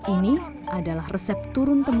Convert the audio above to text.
ini adalah resep tuna